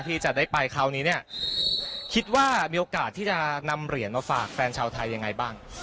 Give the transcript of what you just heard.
ที่จะได้ไปคราวนี้เนี่ยคิดว่ามีโอกาสที่จะนำเหรียญมาฝากแฟนชาวไทยยังไงบ้าง